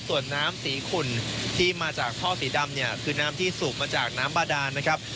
ส่วนน้ำสีขุ่นที่มาจากท่อสีดำเนี่ยคือน้ำที่สูบมาจากน้ำบาดานนะครับ